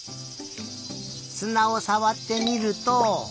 すなをさわってみると。